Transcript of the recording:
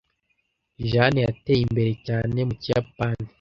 Jane yateye imbere cyane mu Kiyapani.